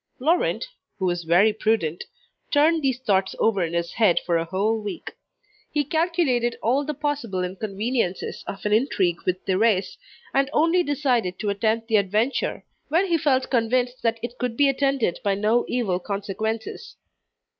Laurent, who was very prudent, turned these thoughts over in his head for a whole week. He calculated all the possible inconveniences of an intrigue with Thérèse, and only decided to attempt the adventure, when he felt convinced that it could be attended by no evil consequences.